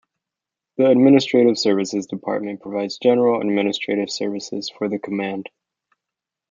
The Administrative Services Department provides general administrative services for the command.